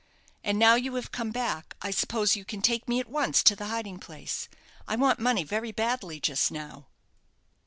And now you have come back, I suppose you can take me at once to the hiding place. I want money very badly just now."